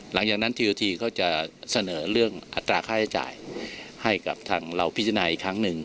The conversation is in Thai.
หลังจากนั้นทีโอทีเขาจะเสนอเรื่องอัตราค่าใช้จ่ายให้กับทางเราพิจารณาอีกครั้งหนึ่ง